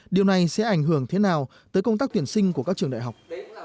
điều này sẽ ảnh hưởng thế nào tới công tác tuyển sinh của các trường đại học